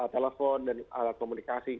telepon dan alat komunikasi